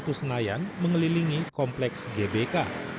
trotoar di senayan mengelilingi kompleks gbk